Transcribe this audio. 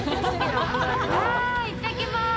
行ってきます。